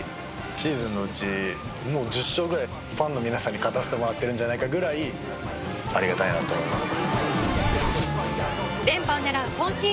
シーズンのうちもう１０勝ぐらいファンの皆さんに勝たせてもらってるんじゃないかぐらいありがたいなって思います。